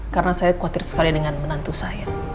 karena saya khawatir sekali dengan menantu saya